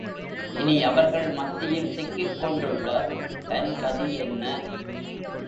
இனி அவர்கள் மத்தியில் சிக்கிக்கொண்டுள்ள தன் கதி என்ன?